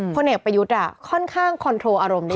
คนเนียกเปยุทธ์อ่ะค่อนข้างคอนโทรอารมณ์ได้ดี